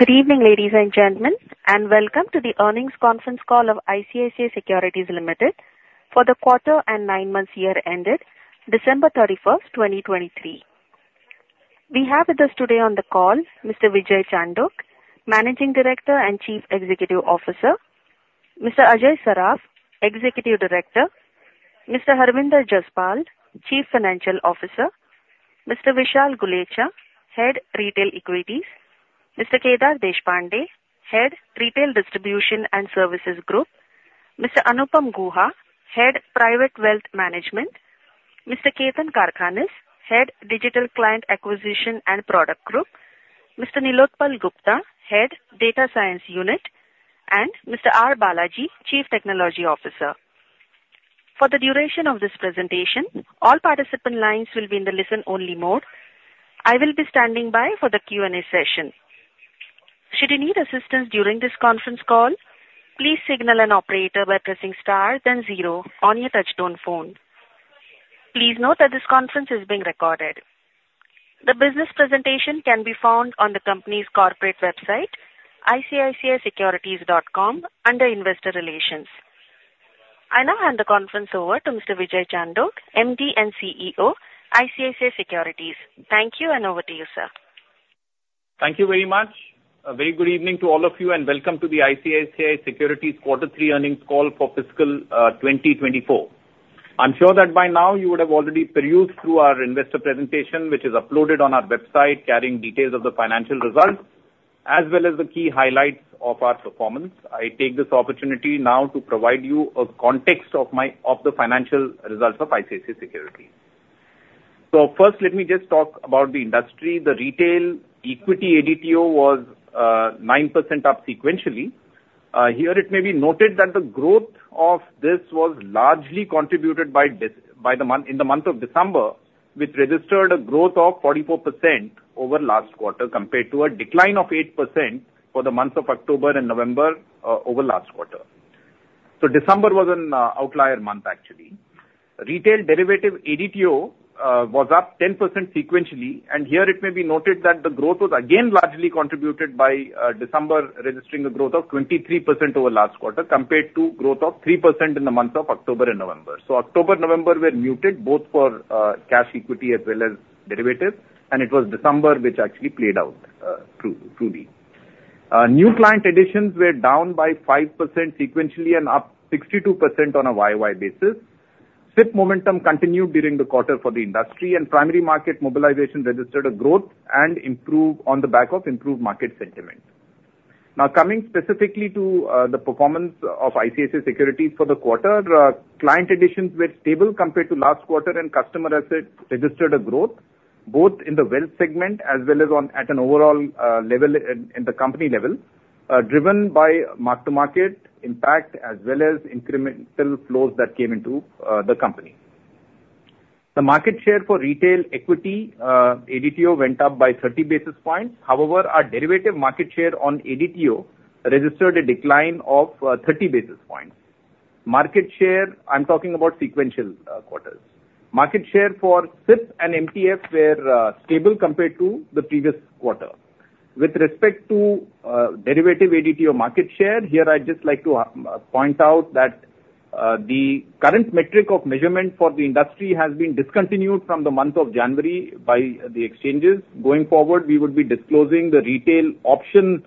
Good evening, ladies and gentlemen, and welcome to the earnings conference call of ICICI Securities Limited for the quarter and nine months ended December 31, 2023. We have with us today on the call Mr. Vijay Chandok, Managing Director and Chief Executive Officer, Mr. Ajay Saraf, Executive Director, Mr. Harvinder Jaspal, Chief Financial Officer, Mr. Vishal Gulechha, Head Retail Equities, Mr. Kedar Deshpande, Head Retail Distribution and Services Group, Mr. Anupam Guha, Head Private Wealth Management, Mr. Ketan Karkhanis, Head Digital Client Acquisition and Product Group, Mr. Nilotpal Gupta, Head Data Science Unit, and Mr. R. Balaji, Chief Technology Officer. For the duration of this presentation, all participant lines will be in the listen-only mode. I will be standing by for the Q&A session. Should you need assistance during this conference call, please signal an operator by pressing star then zero on your touchtone phone. Please note that this conference is being recorded. The business presentation can be found on the company's corporate website, icicisecurities.com, under Investor Relations. I now hand the conference over to Mr. Vijay Chandok, MD and CEO, ICICI Securities. Thank you, and over to you, sir. Thank you very much. A very good evening to all of you, and welcome to the ICICI Securities Quarter Three earnings call for fiscal 2024. I'm sure that by now you would have already perused through our investor presentation, which is uploaded on our website, carrying details of the financial results, as well as the key highlights of our performance. I take this opportunity now to provide you a context of the financial results of ICICI Securities. So first, let me just talk about the industry. The retail equity ADTO was 9% up sequentially. Here it may be noted that the growth of this was largely contributed by the month, in the month of December, which registered a growth of 44% over last quarter, compared to a decline of 8% for the months of October and November, over last quarter. So December was an outlier month, actually. Retail derivative ADTO was up 10% sequentially, and here it may be noted that the growth was again largely contributed by December, registering a growth of 23% over last quarter, compared to growth of 3% in the months of October and November. So October, November were muted, both for cash equity as well as derivatives, and it was December, which actually played out truly. New client additions were down by 5% sequentially and up 62% on a YOY basis. SIP momentum continued during the quarter for the industry, and primary market mobilization registered a growth and improved on the back of improved market sentiment. Now, coming specifically to the performance of ICICI Securities for the quarter, client additions were stable compared to last quarter, and customer assets registered a growth, both in the wealth segment as well as on at an overall level at the company level, driven by mark-to-market impact as well as incremental flows that came into the company. The market share for retail equity ADTO went up by 30 basis points. However, our derivative market share on ADTO registered a decline of 30 basis points. Market share, I'm talking about sequential quarters. Market share for SIP and MTF were stable compared to the previous quarter. With respect to derivative ADTO market share, here I'd just like to point out that the current metric of measurement for the industry has been discontinued from the month of January by the exchanges. Going forward, we would be disclosing the retail options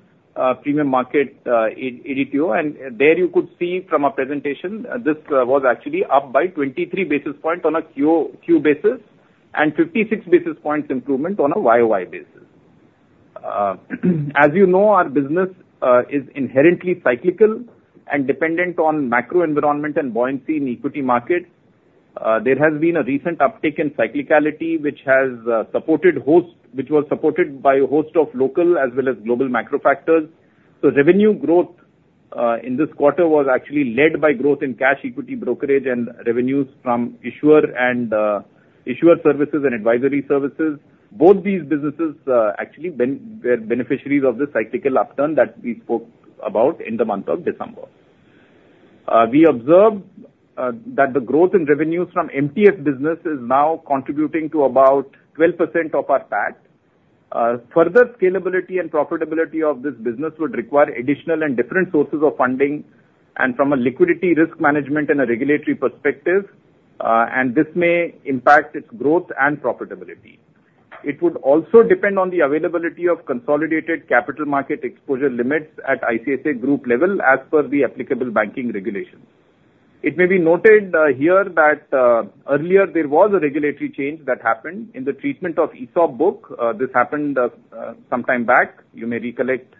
premium market ADTO, and there you could see from our presentation, this was actually up by 23 basis points on a Q-Q basis, and 56 basis points improvement on a YOY basis. As you know, our business is inherently cyclical and dependent on macro environment and buoyancy in equity markets. There has been a recent uptick in cyclicality, which was supported by a host of local as well as global macro factors. So revenue growth in this quarter was actually led by growth in cash equity brokerage and revenues from issuer and issuer services and advisory services. Both these businesses actually were beneficiaries of the cyclical upturn that we spoke about in the month of December. We observed that the growth in revenues from MTF business is now contributing to about 12% of our PAT. Further scalability and profitability of this business would require additional and different sources of funding, and from a liquidity risk management and a regulatory perspective, and this may impact its growth and profitability. It would also depend on the availability of consolidated capital market exposure limits at ICICI Group level, as per the applicable banking regulations. It may be noted here that earlier there was a regulatory change that happened in the treatment of ESOP book. This happened sometime back. You may recollect,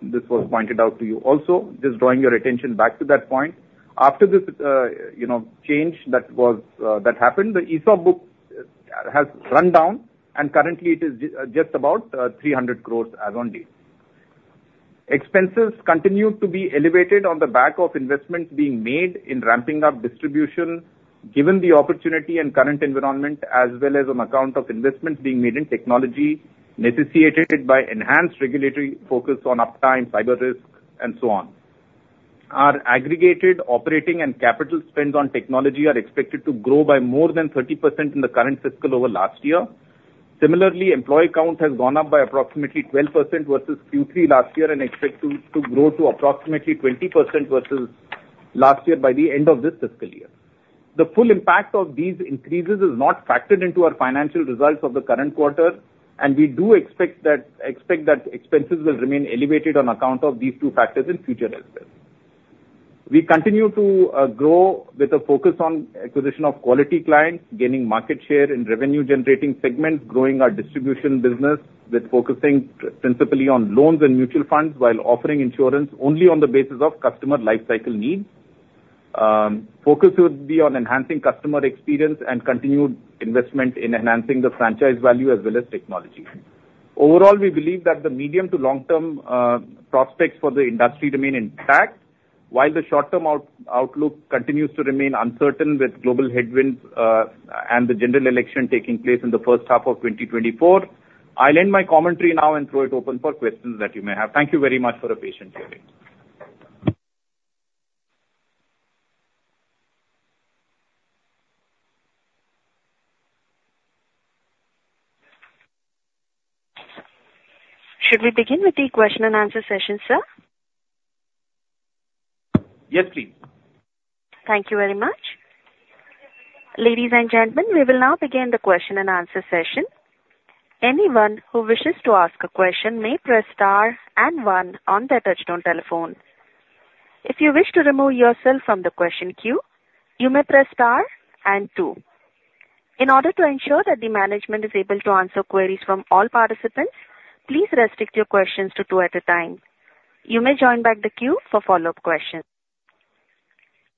this was pointed out to you also. Just drawing your attention back to that point. After this, you know, change that happened, the ESOP book has run down, and currently it is just about 300 crore as on date. Expenses continue to be elevated on the back of investments being made in ramping up distribution, given the opportunity and current environment, as well as on account of investments being made in technology, necessitated by enhanced regulatory focus on uptime, cyber risk, and so on. Our aggregated operating and capital spend on technology are expected to grow by more than 30% in the current fiscal over last year. Similarly, employee count has gone up by approximately 12% versus Q3 last year, and expect to grow to approximately 20% versus last year by the end of this fiscal year. The full impact of these increases is not factored into our financial results of the current quarter, and we do expect that expenses will remain elevated on account of these two factors in future results. We continue to grow with a focus on acquisition of quality clients, gaining market share in revenue-generating segments, growing our distribution business with focusing principally on loans and mutual funds, while offering insurance only on the basis of customer life cycle needs. Focus would be on enhancing customer experience and continued investment in enhancing the franchise value as well as technology. Overall, we believe that the medium to long-term prospects for the industry remain intact, while the short-term outlook continues to remain uncertain, with global headwinds and the general election taking place in the first half of 2024. I'll end my commentary now and throw it open for questions that you may have. Thank you very much for your patient hearing. Should we begin with the question and answer session, sir? Yes, please. Thank you very much. Ladies and gentlemen, we will now begin the question and answer session. Anyone who wishes to ask a question may press star and one on their touchtone telephone. If you wish to remove yourself from the question queue, you may press star and two. In order to ensure that the management is able to answer queries from all participants, please restrict your questions to two at a time. You may join back the queue for follow-up questions.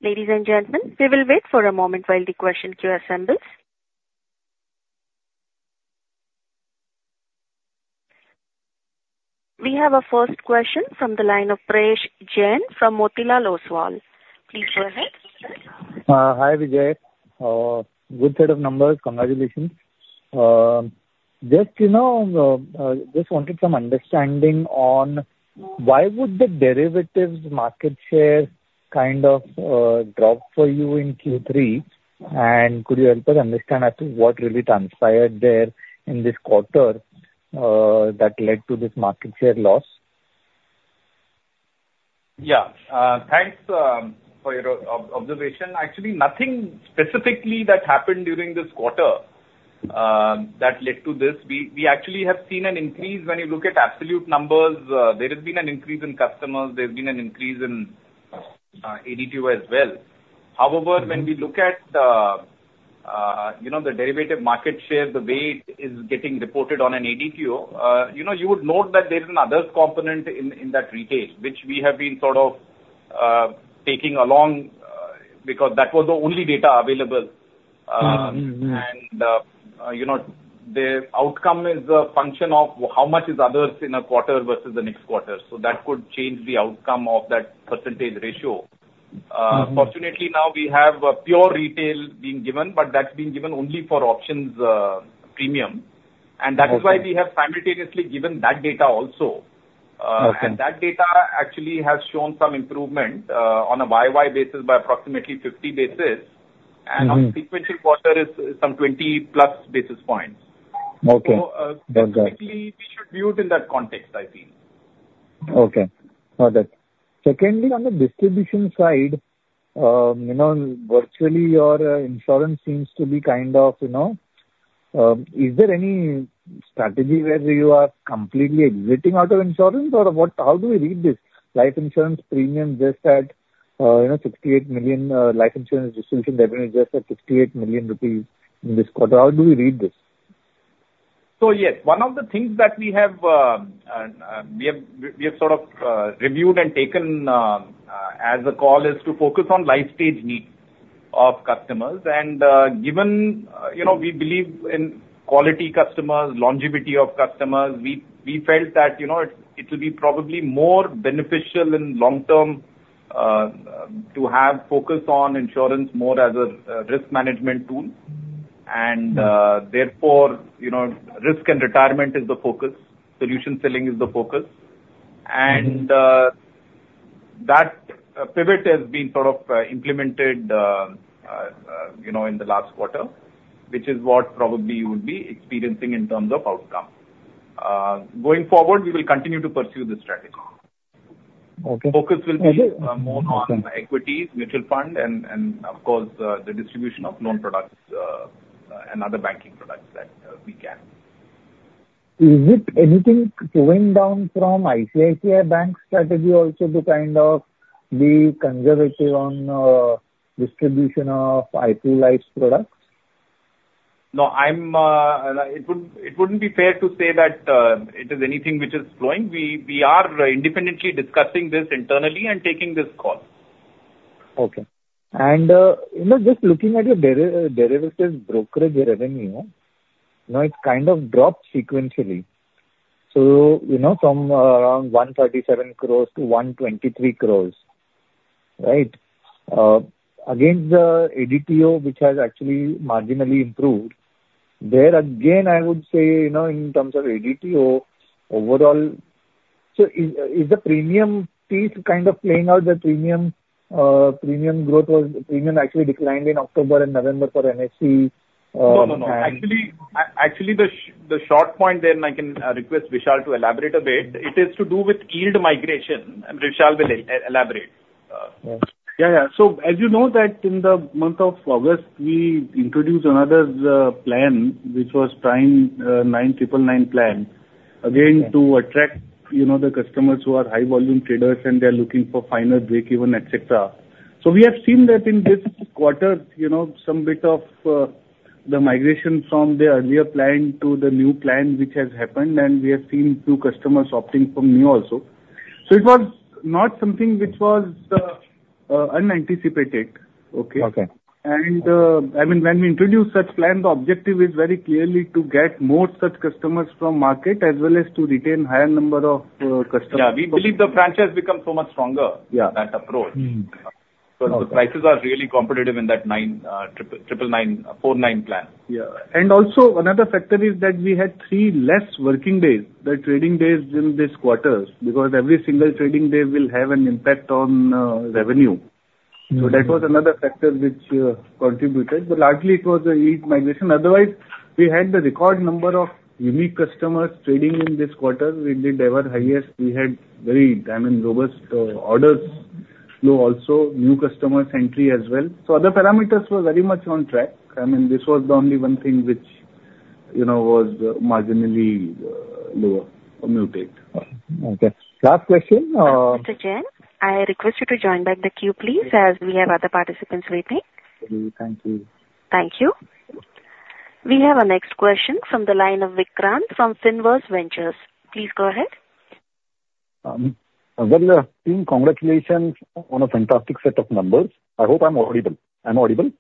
Ladies and gentlemen, we will wait for a moment while the question queue assembles. We have a first question from the line of Prayesh Jain from Motilal Oswal. Please go ahead. Hi, Vijay. Good set of numbers, congratulations. Just, you know, just wanted some understanding on why would the derivatives market share kind of drop for you in Q3? And could you help us understand as to what really transpired there in this quarter that led to this market share loss? Yeah. Thanks for your observation. Actually, nothing specifically that happened during this quarter that led to this. We actually have seen an increase when you look at absolute numbers, there has been an increase in customers, there's been an increase in ADTO as well. However, when we look at, you know, the derivative market share, the way it is getting reported on an ADTO, you know, you would note that there is an others component in that retail, which we have been sort of taking along because that was the only data available. Mm-hmm, mm-hmm. You know, the outcome is a function of how much is others in a quarter versus the next quarter, so that could change the outcome of that percentage ratio. Mm-hmm. Fortunately, now we have a pure retail being given, but that's been given only for options premium. Okay. That is why we have simultaneously given that data also. Okay. That data actually has shown some improvement on a YOY basis by approximately 50 basis. Mm-hmm. On sequential quarter is some 20+ basis points. Okay. That's right. So, specifically, we should view it in that context, I think. Okay. Got it. Secondly, on the distribution side, you know, virtually your insurance seems to be kind of, you know... Is there any strategy where you are completely exiting out of insurance, or what, how do we read this? Life insurance premium just had, you know, 68 million, life insurance distribution revenue just at 68 million rupees in this quarter. How do we read this? So yes, one of the things that we have sort of reviewed and taken as a call is to focus on life stage needs of customers. And given you know, we believe in quality customers, longevity of customers, we felt that you know, it it'll be probably more beneficial in long term to have focus on insurance more as a risk management tool. Mm-hmm. Therefore, you know, risk and retirement is the focus, solution selling is the focus. Mm-hmm. That pivot has been sort of implemented, you know, in the last quarter, which is what probably you would be experiencing in terms of outcome. Going forward, we will continue to pursue this strategy. Okay. Focus will be- Okay. more on equities, mutual fund, and of course, the distribution of loan products, and other banking products that we can. Is it anything going down from ICICI Bank's strategy also to kind of be conservative on distribution of ICICI Prudential Life's products? No, it wouldn't be fair to say that it is anything which is flowing. We are independently discussing this internally and taking this call. Okay. You know, just looking at your derivatives brokerage revenue, you know, it's kind of dropped sequentially. So, you know, from around 137 crore to 123 crore, right? Against the ADTO, which has actually marginally improved... There again, I would say, you know, in terms of ADTO overall, so is, is the premium piece kind of playing out, the premium, premium growth was, premium actually declined in October and November for NSE, and- No, no, no. Actually, actually, the short point then I can request Vishal to elaborate a bit. It is to do with yield migration, and Vishal will elaborate. Yeah, yeah. So as you know that in the month of August, we introduced another, plan, which was Prime 999 plan, again to attract, you know, the customers who are high volume traders, and they are looking for final break-even, et cetera. So we have seen that in this quarter, you know, some bit of, the migration from the earlier plan to the new plan, which has happened, and we have seen few customers opting for new also. So it was not something which was, unanticipated. Okay? Okay. I mean, when we introduce such plan, the objective is very clearly to get more such customers from market as well as to retain higher number of customers. Yeah, we believe the franchise has become so much stronger- Yeah. -that approach. Mm-hmm. So the prices are really competitive in that prime 999 plan. Yeah. And also another factor is that we had three less working days, the trading days in this quarter, because every single trading day will have an impact on revenue. Mm-hmm. So that was another factor which contributed, but largely it was a yield migration. Otherwise, we had the record number of unique customers trading in this quarter. We did our highest. We had very, I mean, robust orders flow also, new customer entry as well. So other parameters were very much on track. I mean, this was the only one thing which, you know, was marginally lower or muted. Okay. Last question. Mr. Jain, I request you to join back the queue, please, as we have other participants waiting. Thank you. Thank you. We have our next question from the line of Vikrant from Swan Investment Managers. Please go ahead. Well, team congratulations on a fantastic set of numbers. I hope I'm audible. I'm audible?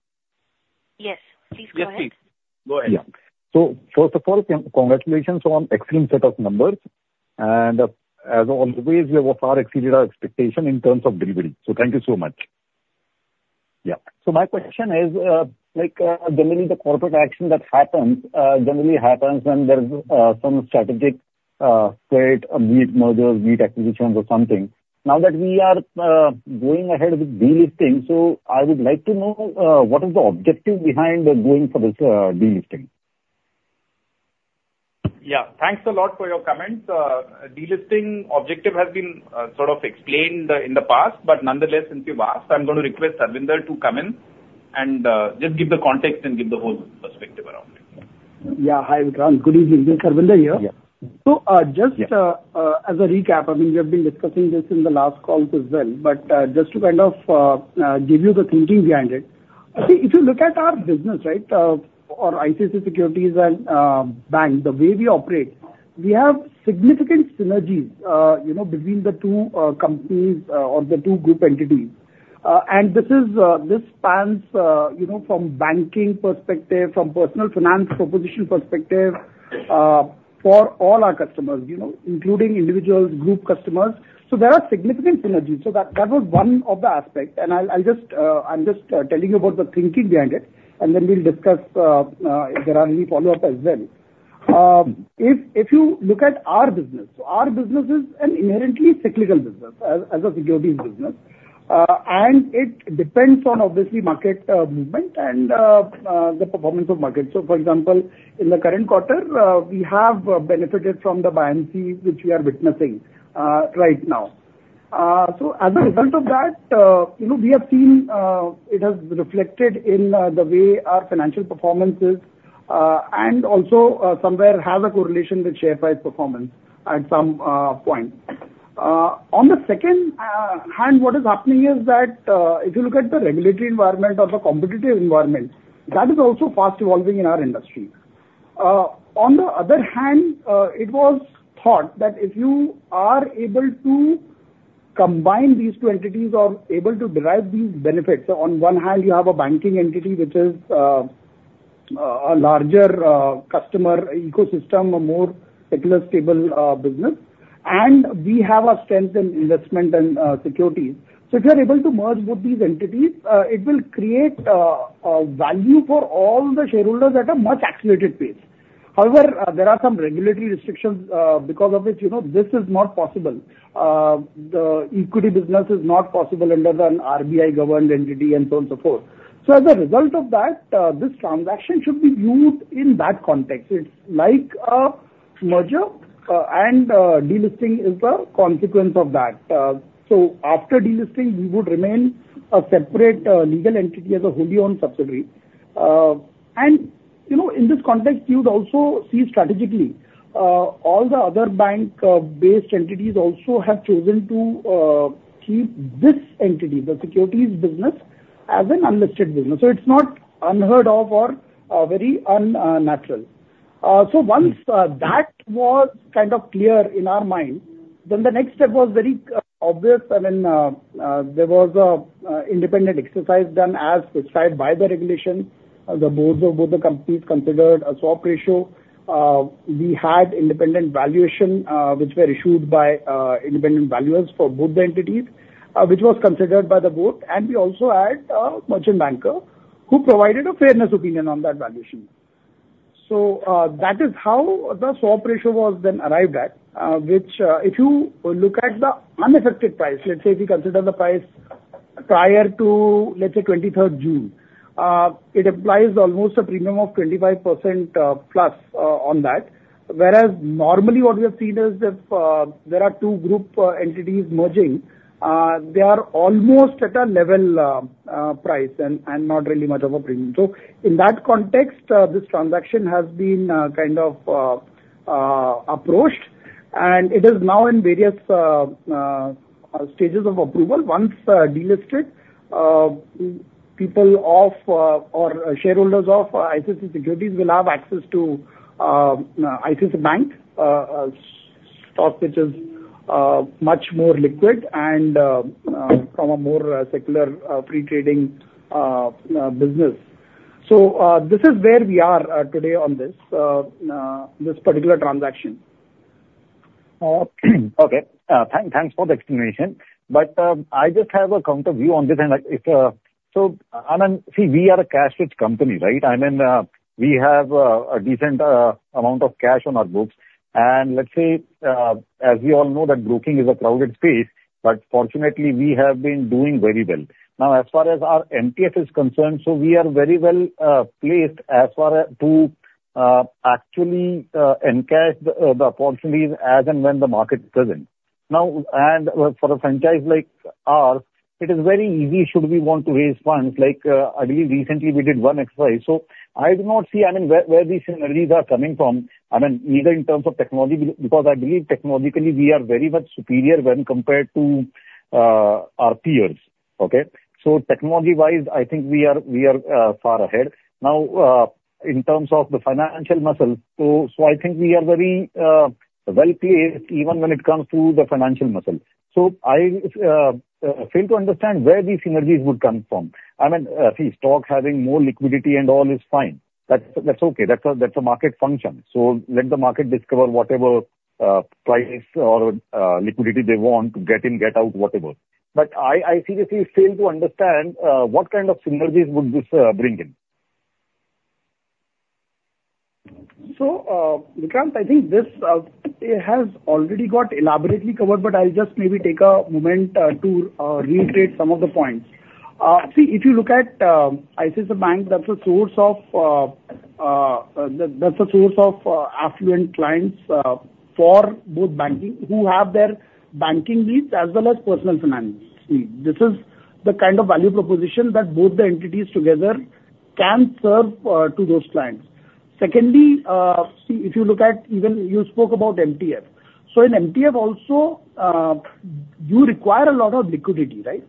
Yes, please go ahead. Yes, please. Go ahead. Yeah. So first of all, congratulations on excellent set of numbers. And as always, you have far exceeded our expectation in terms of delivery, so thank you so much. Yeah. So my question is, like, generally the corporate action that happens generally happens when there is some strategic trade, be it mergers, be it acquisitions or something. Now that we are going ahead with delisting, so I would like to know what is the objective behind going for this delisting? Yeah. Thanks a lot for your comments. Delisting objective has been sort of explained in the past, but nonetheless, since you've asked, I'm going to request Harvinder to come in and just give the context and give the whole perspective around it. Yeah, hi, Vikrant. Good evening. Harvinder here. Yeah. So, just- Yeah. As a recap, I mean, we have been discussing this in the last call as well, but just to kind of give you the thinking behind it. I think if you look at our business, right, our ICICI Securities and ICICI Bank, the way we operate, we have significant synergies, you know, between the two companies or the two group entities. And this is, this spans, you know, from banking perspective, from personal finance proposition perspective, for all our customers, you know, including individuals, group customers. So there are significant synergies. So that was one of the aspect, and I'll just, I'm just telling you about the thinking behind it, and then we'll discuss if there are any follow-up as well. If you look at our business, our business is an inherently cyclical business, as a securities business. And it depends on obviously market movement and the performance of market. So for example, in the current quarter, we have benefited from the buoyancy which we are witnessing right now. So as a result of that, you know, we have seen it has reflected in the way our financial performance is, and also somewhere have a correlation with share price performance at some point. On the second hand, what is happening is that, if you look at the regulatory environment or the competitive environment, that is also fast evolving in our industry. On the other hand, it was thought that if you are able to combine these two entities or able to derive these benefits, on one hand, you have a banking entity, which is a larger customer ecosystem, a more secular, stable business, and we have a strength in investment and securities. So if you are able to merge both these entities, it will create a value for all the shareholders at a much accelerated pace. However, there are some regulatory restrictions because of which, you know, this is not possible. The equity business is not possible under an RBI-governed entity, and so on, so forth. So as a result of that, this transaction should be viewed in that context. It's like a merger, and delisting is a consequence of that. So after delisting, we would remain a separate legal entity as a wholly owned subsidiary. And, you know, in this context, you'd also see strategically all the other bank based entities also have chosen to keep this entity, the securities business, as an unlisted business. So it's not unheard of or very unnatural. So once that was kind of clear in our mind, then the next step was very obvious. I mean, there was an independent exercise done as prescribed by the regulation. The boards of both the companies considered a swap ratio. We had independent valuation which were issued by independent valuers for both the entities which was considered by the board. And we also had a merchant banker who provided a fairness opinion on that valuation. So, that is how the swap ratio was then arrived at, which, if you look at the unaffected price, let's say if you consider the price prior to, let's say, twenty-third June, it applies almost a premium of 25%, plus, on that. Whereas normally what we have seen is if there are two group entities merging, they are almost at a level price and not really much of a premium. So in that context, this transaction has been kind of approached, and it is now in various stages of approval. Once delisted, people or shareholders of ICICI Securities will have access to ICICI Bank, a stock which is much more liquid and from a more secular free trading business. So, this is where we are today on this particular transaction. Okay, thanks for the explanation. But I just have a counter view on this, and, like, it's... So, I mean, see, we are a cash-rich company, right? I mean, we have a decent amount of cash on our books. And let's say, as we all know, that broking is a crowded space, but fortunately, we have been doing very well. Now, as far as our MTF is concerned, so we are very well placed as far as to actually encash the opportunities as and when the market is present. Now, and for a franchise like ours, it is very easy should we want to raise funds, like, I believe recently we did one exercise. So I do not see, I mean, where these synergies are coming from. I mean, either in terms of technology, because I believe technologically, we are very much superior when compared to our peers. Okay? So technology-wise, I think we are far ahead. Now, in terms of the financial muscle, I think we are very well-placed, even when it comes to the financial muscle. So I fail to understand where these synergies would come from. I mean, see, stock having more liquidity and all is fine. That's okay. That's a market function, so let the market discover whatever price or liquidity they want, get in, get out, whatever. But I seriously fail to understand what kind of synergies would this bring in? So, Vikrant, I think this has already got elaborately covered, but I'll just maybe take a moment to reiterate some of the points. See, if you look at ICICI Bank, that's a source of affluent clients for both banking, who have their banking needs as well as personal finance needs. This is the kind of value proposition that both the entities together can serve to those clients. Secondly, see, if you look at even you spoke about MTF. So in MTF also, you require a lot of liquidity, right?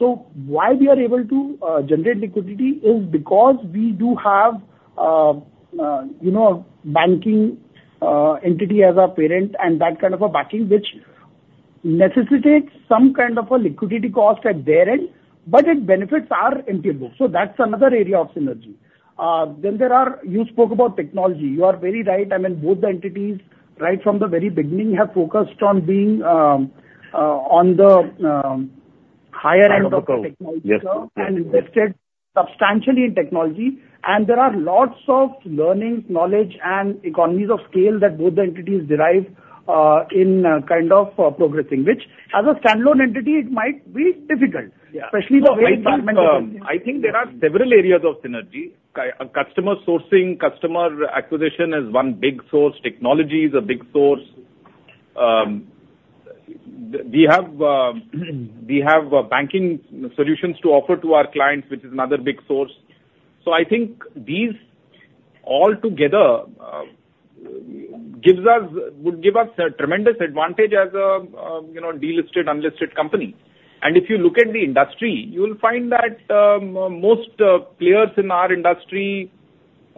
So why we are able to generate liquidity is because we do have, you know, banking entity as our parent, and that kind of a backing, which necessitates some kind of a liquidity cost at their end, but it benefits our MTF book. So that's another area of synergy. Then there are... You spoke about technology. You are very right. I mean, both the entities, right from the very beginning, have focused on being on the higher end- On the curve. of the technology. Yes. Invested substantially in technology, and there are lots of learnings, knowledge, and economies of scale that both the entities derive in kind of progressing, which as a standalone entity, it might be difficult. Yeah. Especially the way- I think there are several areas of synergy. Customer sourcing, customer acquisition is one big source, technology is a big source. We have banking solutions to offer to our clients, which is another big source. So I think these all together gives us would give us a tremendous advantage as a you know delisted unlisted company. And if you look at the industry, you'll find that most players in our industry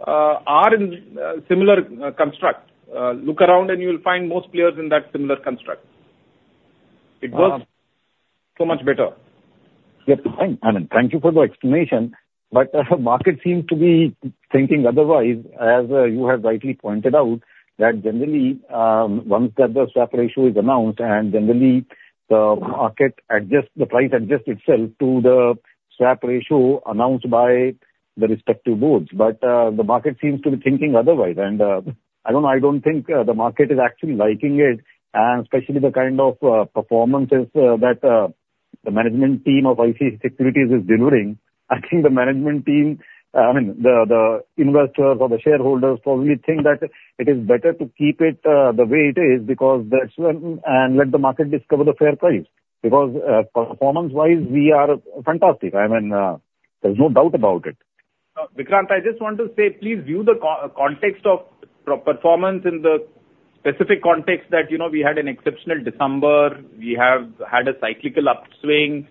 are in similar construct. Look around, and you'll find most players in that similar construct. It works so much better. Yes, fine. I mean, thank you for the explanation, but, market seems to be thinking otherwise, as, you have rightly pointed out, that generally, once the, the swap ratio is announced, and generally the market adjusts, the price adjusts itself to the swap ratio announced by the respective boards. But, the market seems to be thinking otherwise, and, I don't, I don't think, the market is actually liking it, and especially the kind of, performances, that, the management team of ICICI Securities is delivering. I think the management team, I mean, the, the investors or the shareholders probably think that it is better to keep it, the way it is, because that's when... And let the market discover the fair price. Because, performance-wise, we are fantastic. I mean, there's no doubt about it. Vikrant, I just want to say, please view the context of performance in the specific context that, you know, we had an exceptional December, we have had a cyclical upswing.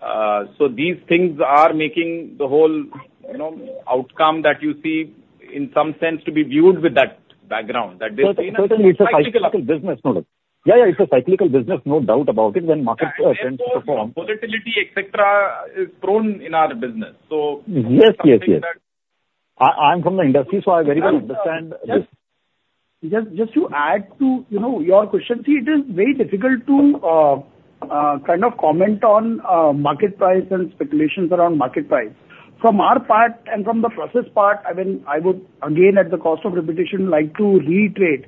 So these things are making the whole, you know, outcome that you see in some sense, to be viewed with that background, that this- So it's a cyclical business, no doubt. Yeah, it's a cyclical business, no doubt about it, when market trends perform- Volatility, et cetera, is prone in our business, so- Yes, yes, yes. I, I'm from the industry, so I very well understand this. Just, just to add to, you know, your question, see, it is very difficult to kind of comment on market price and speculations around market price. From our part and from the process part, I mean, I would again, at the cost of repetition, like to reiterate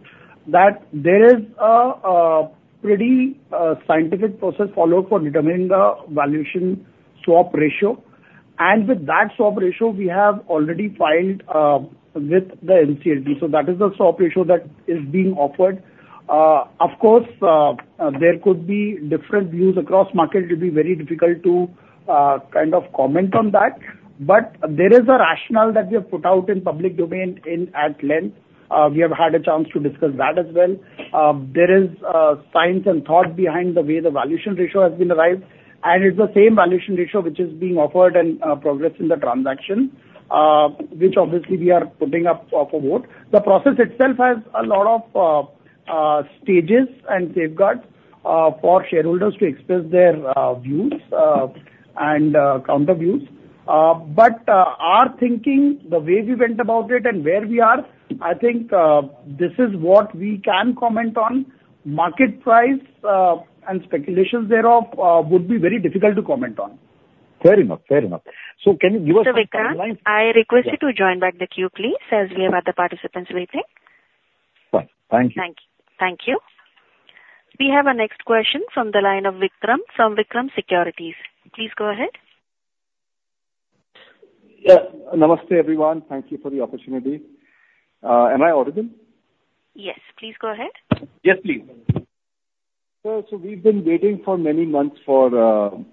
that there is a pretty scientific process followed for determining the valuation swap ratio. And with that swap ratio, we have already filed with the NCLT, so that is the swap ratio that is being offered. Of course, there could be different views across market. It will be very difficult to kind of comment on that. But there is a rationale that we have put out in public domain in at length. We have had a chance to discuss that as well. There is science and thought behind the way the valuation ratio has been arrived, and it's the same valuation ratio which is being offered and progressed in the transaction, which obviously we are putting up for vote. The process itself has a lot of stages and safeguards for shareholders to express their views and counter views. But our thinking, the way we went about it and where we are, I think, this is what we can comment on. Market price and speculations thereof would be very difficult to comment on. Fair enough. Fair enough. So can you give us- Mr. Vikrant, I request you to join back the queue, please, as we have other participants waiting. Fine. Thank you. Thank you. Thank you. We have our next question from the line of Vikram from Vikram Securities. Please go ahead. Yeah. Namaste, everyone. Thank you for the opportunity. Am I audible? Yes, please go ahead. Yes, please. Sir, so we've been waiting for many months for the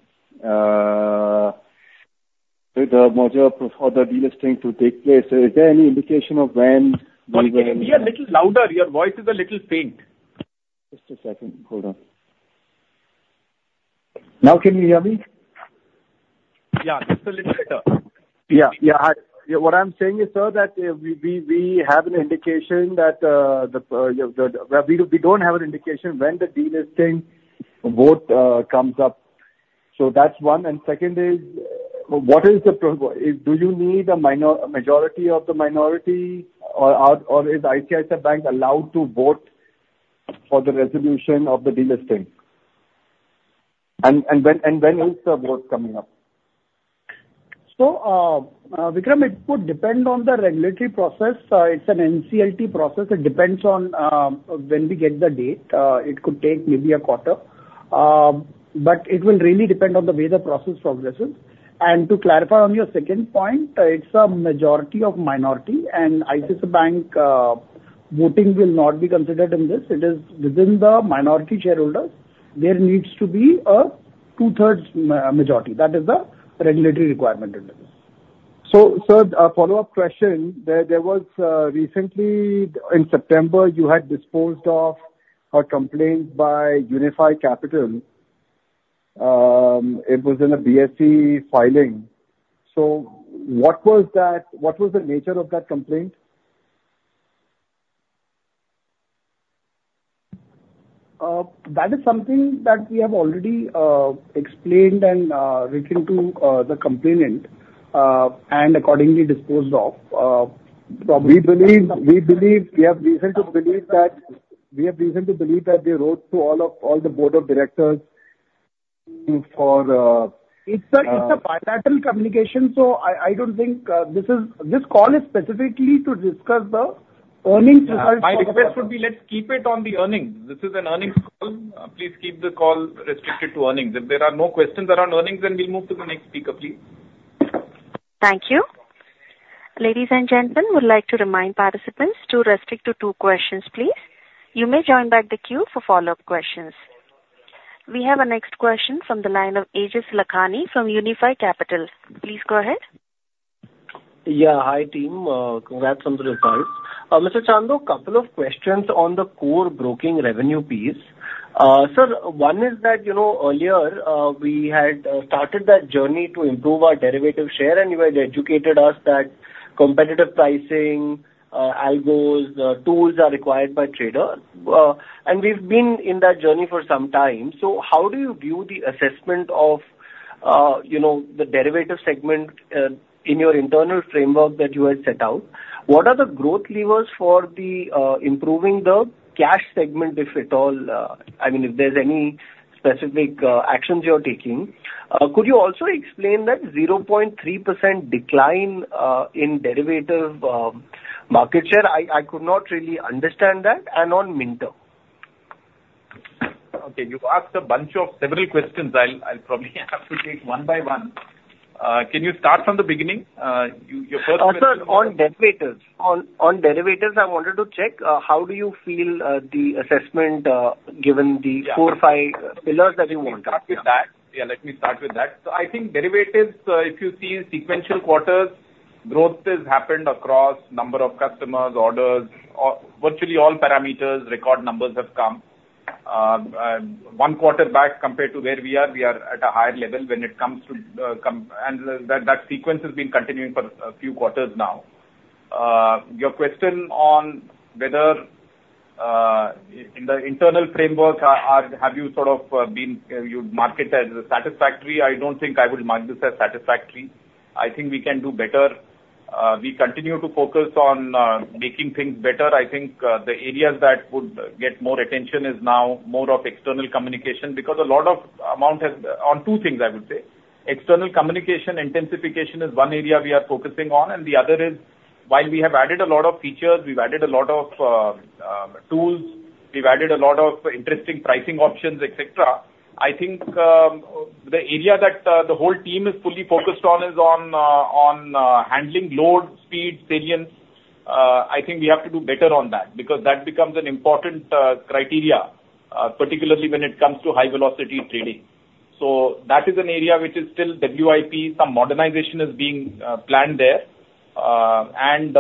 merger for the delisting to take place. Is there any indication of when we will- Be a little louder? Your voice is a little faint. Just a second. Hold on. Now can you hear me? Yeah, just a little better. Yeah, yeah. Yeah, what I'm saying is, sir, that we have an indication that we don't have an indication when the delisting vote comes up. So that's one. And second is, what is the? Do you need a majority of the minority, or is ICICI Bank allowed to vote for the resolution of the delisting? And when is the vote coming up? So, Vikram, it would depend on the regulatory process. It's an NCLT process. It depends on when we get the date. It could take maybe a quarter. But it will really depend on the way the process progresses. And to clarify on your second point, it's a majority of minority and ICICI Bank voting will not be considered in this. It is within the minority shareholders; there needs to be a two-thirds majority. That is the regulatory requirement in this. So, sir, a follow-up question. There, there was recently in September, you had disposed of a complaint by Union Asset Management. It was in a BSE filing. So what was that? What was the nature of that complaint? That is something that we have already explained and written to the complainant and accordingly disposed of from- We have reason to believe that they wrote to all of the board of directors for... It's a bilateral communication, so I don't think this call is specifically to discuss the earnings results. My request would be, let's keep it on the earnings. This is an earnings call. Please keep the call restricted to earnings. If there are no questions around earnings, then we'll move to the next speaker, please. Thank you. Ladies and gentlemen, would like to remind participants to restrict to two questions, please. You may join back the queue for follow-up questions. We have our next question from the line of Jeet Lakhani from Unifi Capital. Please go ahead. Yeah. Hi, team. Congrats on the results. Mr. Chandok, a couple of questions on the core broking revenue piece. Sir, one is that, you know, earlier, we had started that journey to improve our derivative share, and you had educated us that competitive pricing, algos, tools are required by trader. And we've been in that journey for some time. So how do you view the assessment of, you know, the derivative segment, in your internal framework that you had set out? What are the growth levers for the improving the cash segment, if at all, I mean, if there's any specific actions you're taking? Could you also explain that 0.3% decline, in derivative market share? I could not really understand that, and on Minter. Okay, you've asked a bunch of several questions. I'll probably have to take one by one. Can you start from the beginning? Your first question- Sir, on derivatives. On derivatives, I wanted to check how do you feel the assessment given the- Yeah. four or five pillars that you want? Let me start with that. Yeah, let me start with that. So I think derivatives, if you see sequential quarters, growth has happened across number of customers, orders, virtually all parameters, record numbers have come. One quarter back compared to where we are, we are at a higher level when it comes to. And that sequence has been continuing for a few quarters now. Your question on whether in the internal framework, have you sort of been, you'd mark it as satisfactory? I don't think I would mark this as satisfactory. I think we can do better. We continue to focus on making things better. I think the areas that would get more attention is now more of external communication, because a lot of amount has. On two things, I would say. External communication intensification is one area we are focusing on, and the other is, while we have added a lot of features, we've added a lot of tools, we've added a lot of interesting pricing options, et cetera. I think, the area that the whole team is fully focused on is on handling load, speed, resilience. I think we have to do better on that, because that becomes an important criteria, particularly when it comes to high velocity trading. So that is an area which is still WIP. Some modernization is being planned there. And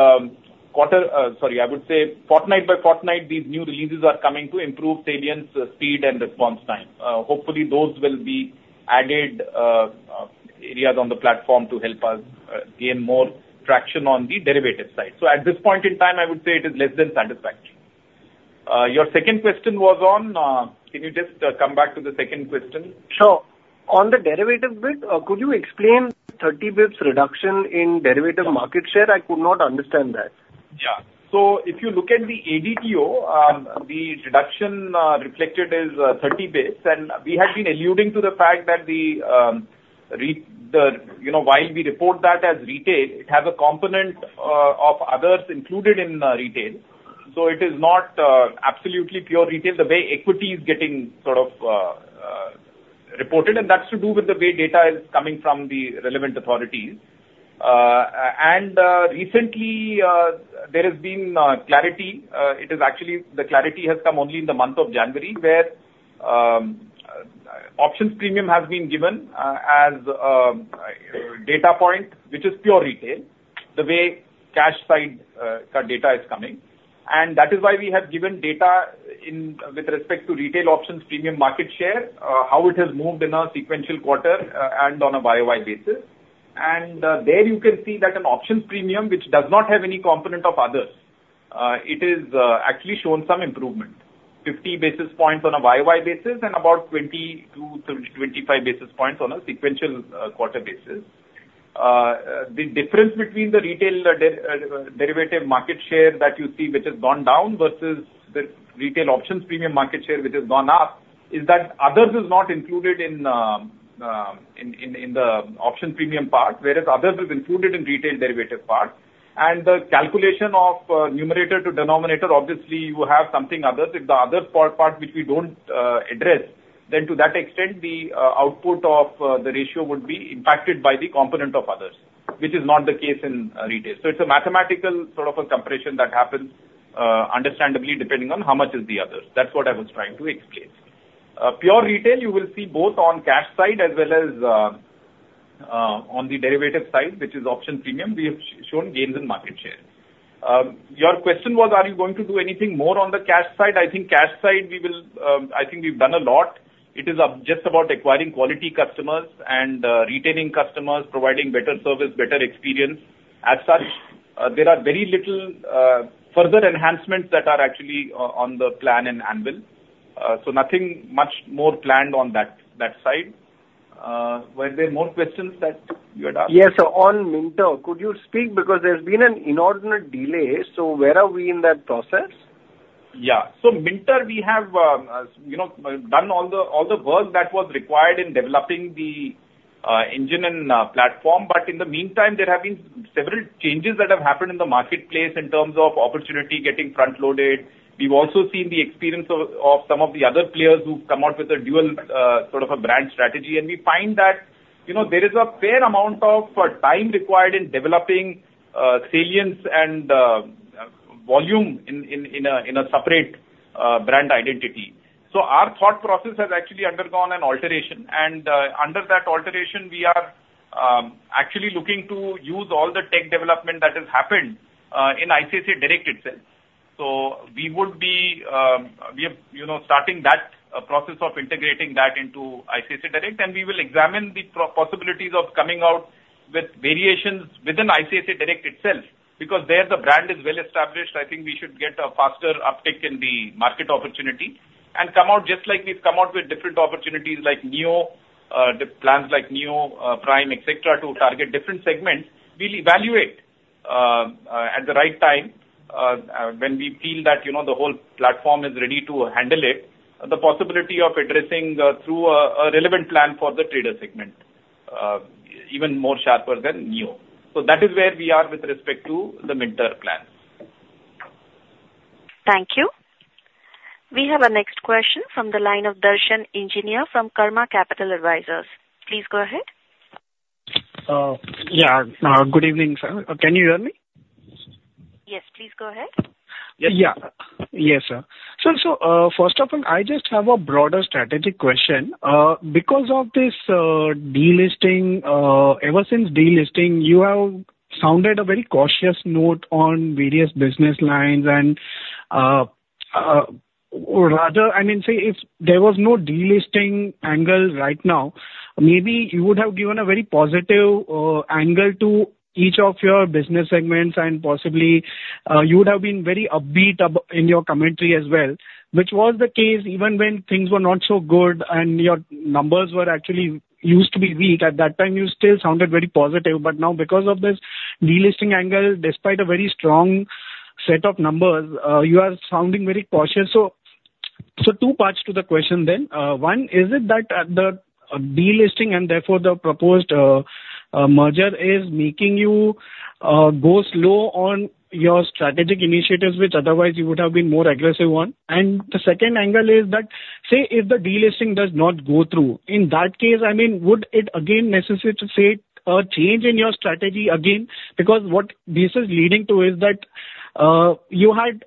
fortnight by fortnight, these new releases are coming to improve salience, speed, and response time. Hopefully, those will be added areas on the platform to help us gain more traction on the derivative side. So at this point in time, I would say it is less than satisfactory. Your second question was on... Can you just come back to the second question? Sure. On the derivatives bit, could you explain 30 basis points reduction in derivatives market share? I could not understand that. Yeah. So if you look at the ADTO, the reduction reflected is 30 basis points. And we have been alluding to the fact that, you know, while we report that as retail, it has a component of others included in retail. So it is not absolutely pure retail, the way equity is getting sort of reported, and that's to do with the way data is coming from the relevant authorities. And recently, there has been clarity. It is actually, the clarity has come only in the month of January, where options premium has been given as a data point, which is pure retail, the way cash side data is coming. That is why we have given data in, with respect to retail options, premium market share, how it has moved in a sequential quarter, and on a YOY basis. There you can see that an options premium, which does not have any component of others, it is actually shown some improvement. 50 basis points on a YOY basis and about 20-25 basis points on a sequential quarter basis. The difference between the retail derivative market share that you see, which has gone down, versus the retail options premium market share, which has gone up, is that others is not included in the option premium part, whereas others is included in retail derivative part. The calculation of numerator to denominator, obviously, you have something other. If the other part, part which we don't address, then to that extent, the output of the ratio would be impacted by the component of others, which is not the case in retail. So it's a mathematical sort of a compression that happens, understandably, depending on how much is the others. That's what I was trying to explain. Pure retail, you will see both on cash side as well as on the derivative side, which is option premium, we have shown gains in market share. Your question was, are you going to do anything more on the cash side? I think cash side, we will, I think we've done a lot. It is just about acquiring quality customers and retaining customers, providing better service, better experience. As such, there are very little further enhancements that are actually on the anvil. So nothing much more planned on that side. Were there more questions that you had asked? Yes. So on Minter, could you speak? Because there's been an inordinate delay, so where are we in that process? Yeah. So Minter, we have, you know, done all the work that was required in developing the engine and platform. But in the meantime, there have been several changes that have happened in the marketplace in terms of opportunity getting front-loaded. We've also seen the experience of some of the other players who've come out with a dual sort of a brand strategy. And we find that, you know, there is a fair amount of time required in developing salience and volume in a separate brand identity. So our thought process has actually undergone an alteration, and under that alteration, we are actually looking to use all the tech development that has happened in ICICI Direct itself. So we would be, we have, you know, starting that process of integrating that into ICICI Direct, and we will examine the possibilities of coming out with variations within ICICI Direct itself. Because there, the brand is well established, I think we should get a faster uptick in the market opportunity and come out just like we've come out with different opportunities like Neo, the plans like Neo, Prime, et cetera, to target different segments. We'll evaluate, at the right time, when we feel that, you know, the whole platform is ready to handle it, the possibility of addressing, through a relevant plan for the trader segment, even more sharper than Neo. So that is where we are with respect to the Minter plan. Thank you. We have our next question from the line of Darshan Engineer from Karma Capital Advisors. Please go ahead. Yeah, good evening, sir. Can you hear me? Yes, please go ahead. Yeah. Yes, sir. So, first of all, I just have a broader strategic question. Because of this delisting, ever since delisting, you have sounded a very cautious note on various business lines and, or rather, I mean, say, if there was no delisting angle right now, maybe you would have given a very positive angle to each of your business segments, and possibly you would have been very upbeat in your commentary as well, which was the case even when things were not so good and your numbers were actually used to be weak. At that time, you still sounded very positive. But now because of this delisting angle, despite a very strong set of numbers, you are sounding very cautious. So, two parts to the question then. One, is it that the delisting and therefore the proposed merger is making you go slow on your strategic initiatives, which otherwise you would have been more aggressive on? And the second angle is that, say, if the delisting does not go through, in that case, I mean, would it again necessitate, say, a change in your strategy again? Because what this is leading to is that you had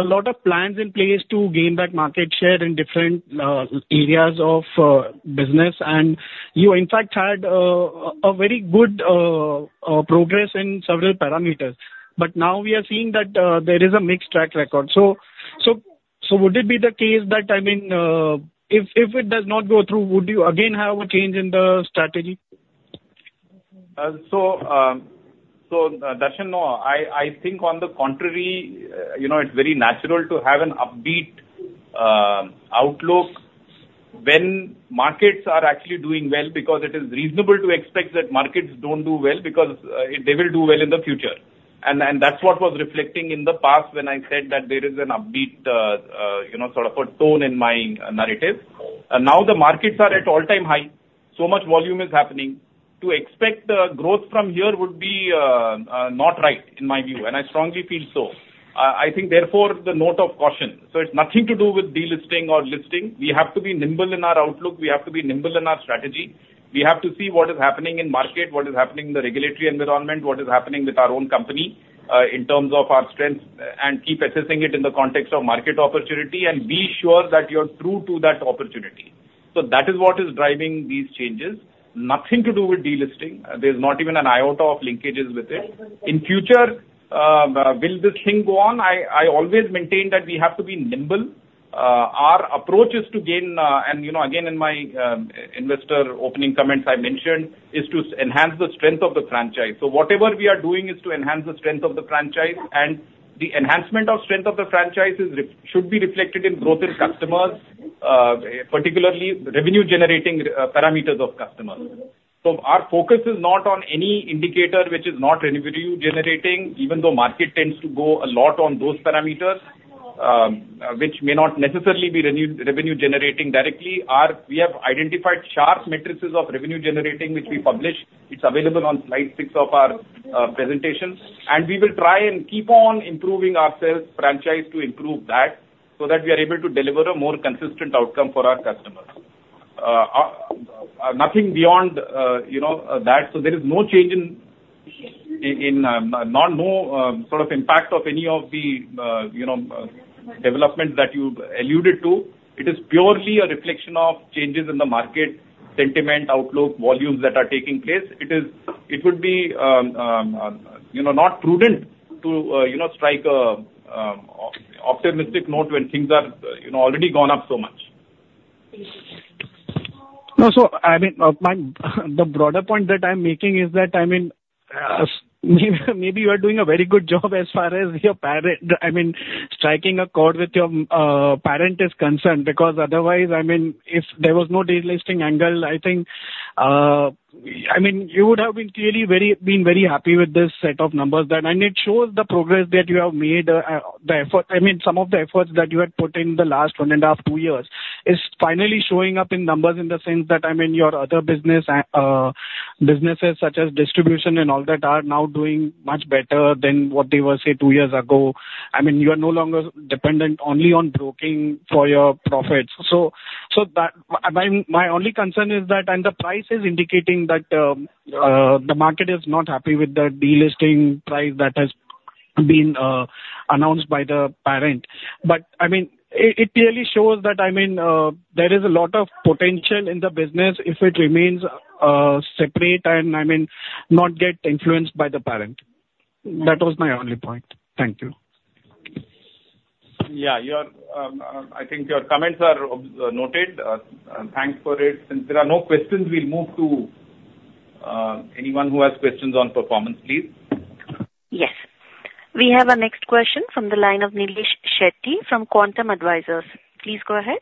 a lot of plans in place to gain back market share in different areas of business, and you in fact had a very good progress in several parameters. But now we are seeing that there is a mixed track record. So would it be the case that, I mean, if it does not go through, would you again have a change in the strategy? So, Darshan, no. I think on the contrary, you know, it's very natural to have an upbeat outlook when markets are actually doing well, because it is reasonable to expect that markets don't do well because they will do well in the future. And that's what was reflecting in the past, when I said that there is an upbeat, you know, sort of a tone in my narrative. And now the markets are at all-time high. So much volume is happening. To expect growth from here would be not right, in my view, and I strongly feel so. I think therefore, the note of caution. So it's nothing to do with delisting or listing. We have to be nimble in our outlook. We have to be nimble in our strategy. We have to see what is happening in market, what is happening in the regulatory environment, what is happening with our own company, in terms of our strengths, and keep assessing it in the context of market opportunity and be sure that you're true to that opportunity. So that is what is driving these changes. Nothing to do with delisting. There's not even an iota of linkages with it. In future, will this thing go on? I always maintain that we have to be nimble. Our approach is to gain, and, you know, again, in my investor opening comments I mentioned, is to enhance the strength of the franchise. So whatever we are doing is to enhance the strength of the franchise, and the enhancement of strength of the franchise is—should be reflected in growth in customers, particularly revenue-generating parameters of customers. So our focus is not on any indicator which is not revenue-generating, even though market tends to go a lot on those parameters, which may not necessarily be revenue-generating directly. We have identified sharp metrics of revenue generating, which we publish. It's available on slide six of our presentation. And we will try and keep on improving ourselves, franchise to improve that, so that we are able to deliver a more consistent outcome for our customers. Nothing beyond, you know, that. So there is no change in sort of impact of any of the, you know, development that you alluded to. It is purely a reflection of changes in the market, sentiment, outlook, volumes that are taking place. It is. It would be, you know, not prudent to, you know, strike a optimistic note when things are, you know, already gone up so much. No. So, I mean, my, the broader point that I'm making is that, I mean, maybe you are doing a very good job as far as your parent, I mean, striking a chord with your, parent is concerned, because otherwise, I mean, if there was no delisting angle, I think, I mean, you would have been clearly very happy with this set of numbers. Then and it shows the progress that you have made, the effort. I mean, some of the efforts that you had put in the last 1.5-2 years, is finally showing up in numbers, in the sense that, I mean, your other business, businesses such as distribution and all that, are now doing much better than what they were, say, two years ago. I mean, you are no longer dependent only on broking for your profits. So, my only concern is that, and the price is indicating that, the market is not happy with the delisting price that has been announced by the parent. But I mean, it clearly shows that, I mean, there is a lot of potential in the business if it remains separate and, I mean, not get influenced by the parent. That was my only point. Thank you. Yeah, I think your comments are noted. Thanks for it. Since there are no questions, we'll move to anyone who has questions on performance, please. Yes. We have our next question from the line of Nilesh Shetty from Quantum Advisors. Please go ahead.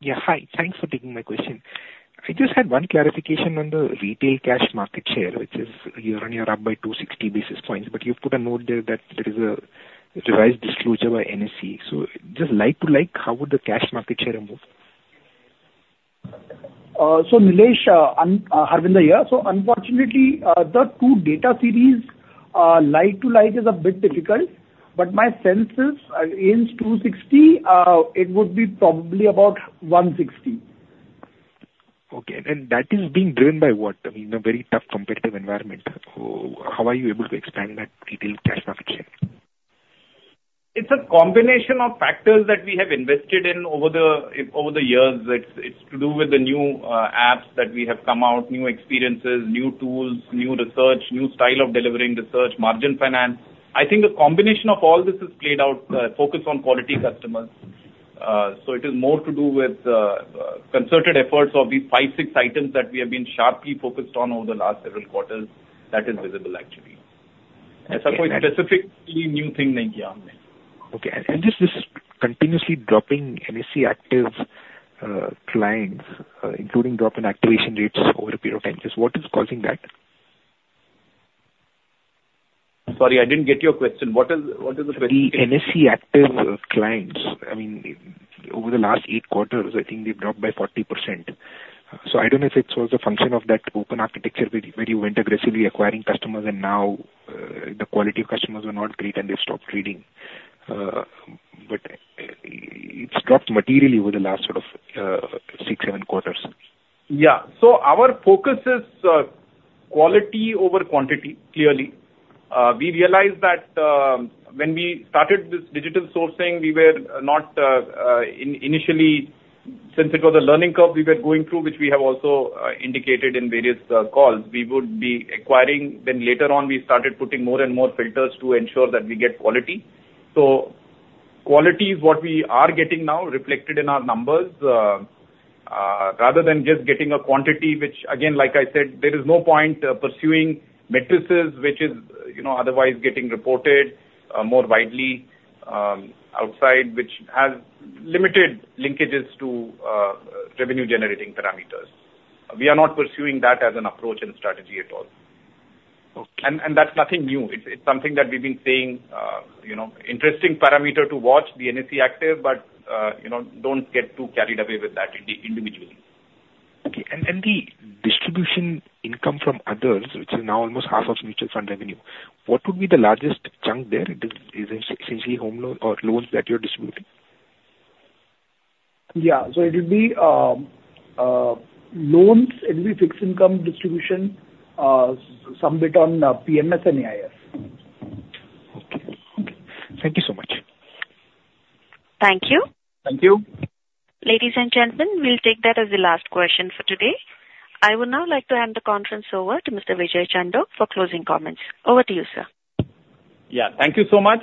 Yeah, hi. Thanks for taking my question. I just had one clarification on the retail cash market share, which is year-on-year, up by 260 basis points, but you've put a note there that there is a revised disclosure by NSE. So just like to like, how would the cash market share improve? So, Nilesh, I'm Harvinder here. So unfortunately, the two data series, like to like, is a bit difficult, but my sense is, against 260, it would be probably about 160. Okay. That is being driven by what? I mean, a very tough competitive environment. How are you able to expand that retail cash market share? It's a combination of factors that we have invested in over the years. It's to do with the new apps that we have come out, new experiences, new tools, new research, new style of delivering research, margin finance. I think a combination of all this is played out, focus on quality customers. So it is more to do with concerted efforts of these five, six items that we have been sharply focused on over the last several quarters. That is visible, actually. Specifically, new thing. Okay. Just this continuously dropping NSE active clients, including drop in activation rates over a period of time, just what is causing that? Sorry, I didn't get your question. What is, what is the question? The NSE active clients, I mean, over the last eight quarters, I think they've dropped by 40%. So I don't know if it's also a function of that open architecture where you went aggressively acquiring customers and now the quality of customers are not great, and they've stopped trading. But it's dropped materially over the last sort of six, seven quarters. Yeah. So our focus is, quality over quantity, clearly. We realized that, when we started this digital sourcing, we were not, initially, since it was a learning curve we were going through, which we have also, indicated in various, calls, we would be acquiring. Then later on, we started putting more and more filters to ensure that we get quality. So quality is what we are getting now, reflected in our numbers, rather than just getting a quantity, which again, like I said, there is no point pursuing metrics, which is, you know, otherwise getting reported, more widely, outside, which has limited linkages to, revenue generating parameters. We are not pursuing that as an approach and strategy at all. Okay. And that's nothing new. It's something that we've been saying, you know, interesting parameter to watch the NSE active, but, you know, don't get too carried away with that individually. Okay. And the distribution income from others, which is now almost half of mutual fund revenue, what would be the largest chunk there? Is it essentially home loan or loans that you're distributing? Yeah. So it will be loans, it'll be fixed income distribution, some bit on PMS and AIF. Okay. Okay. Thank you so much. Thank you. Thank you. Ladies and gentlemen, we'll take that as the last question for today. I would now like to hand the conference over to Mr. Vijay Chandok for closing comments. Over to you, sir. Yeah. Thank you so much,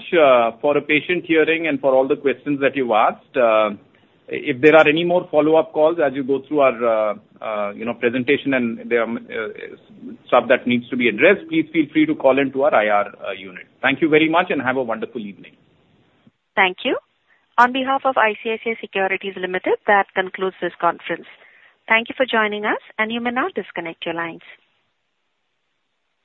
for a patient hearing and for all the questions that you've asked. If there are any more follow-up calls as you go through our, you know, presentation and there, stuff that needs to be addressed, please feel free to call into our IR, unit. Thank you very much, and have a wonderful evening. Thank you. On behalf of ICICI Securities Limited, that concludes this conference. Thank you for joining us, and you may now disconnect your lines.